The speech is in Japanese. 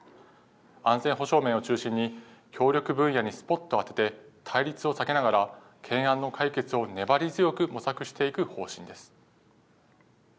安全保障面を中心に協力分野にスポットを当てて対立を避けながら、懸案の解決を粘り強く模索していく方針です。